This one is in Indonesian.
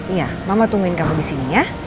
iya mama tungguin kamu di sini ya